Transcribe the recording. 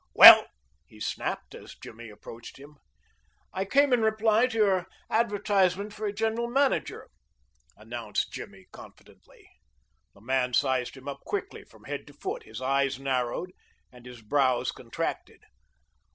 "Well?" he snapped, as Jimmy approached him. "I came in reply to your advertisement for a general manager," announced Jimmy confidently. The man sized him up quickly from head to foot. His eyes narrowed and his brows contracted.